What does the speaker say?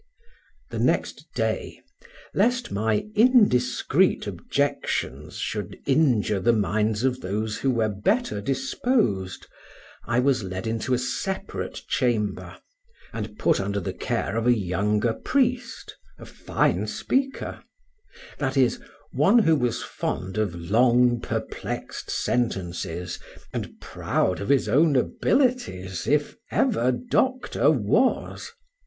The next day, lest my indiscreet objections should injure the minds of those who were better disposed, I was led into a separate chamber and put under the care of a younger priest, a fine speaker; that is, one who was fond of long perplexed sentences, and proud of his own abilities, if ever doctor was.